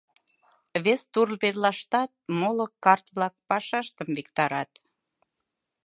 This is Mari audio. Вес тул верлаштат моло карт-влак пашаштым виктарат.